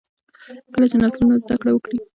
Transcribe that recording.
کله چې نسلونه زده کړه وکړي، تجربه خوندي انتقالېږي.